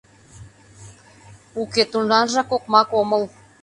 Уке, тунаржак окмак омыл!